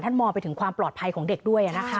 มองไปถึงความปลอดภัยของเด็กด้วยนะคะ